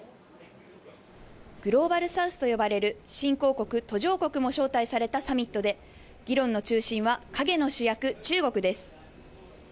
グローバルサウスと呼ばれる新興国、途上国も招待されたサミットで、議論の中心は陰の主役、中国です。